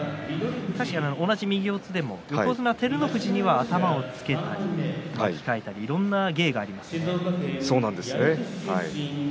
確かに同じ右四つでも横綱照ノ富士には頭をつけたり巻き替えたりいろいろな芸がありますよね。